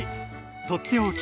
「とっておき！